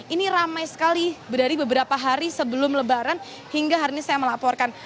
ini ramai sekali dari beberapa hari sebelum lebaran hingga hari ini saya melaporkan